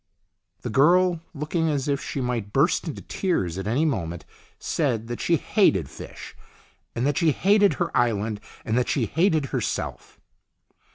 The girl, looking as if she might burst into tears at any moment, said that she hated fish, and that she hated her island, and that she hated herself.